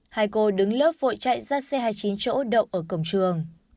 hai cô đứng lớp vội chạy ra xe hai mươi chín chỗ đậu ở cổng trường